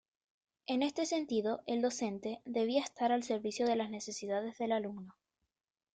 En este sentido, el docente, debía estar al servicio de las necesidades del alumno.